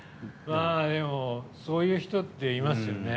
そういう人っていますよね。